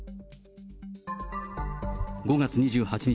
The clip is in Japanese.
５月２８日